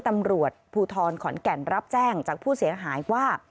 ตำรวจภูทรขอนแก่นรับแจ้งจากผู้เสียหายว่า